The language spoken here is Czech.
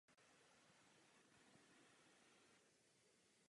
Jednou z největších překážek je přístup k finančním službám.